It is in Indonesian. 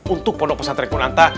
untuk pondok pesat rekun anta